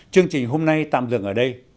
chương trình hôm nay tạm dừng ở đây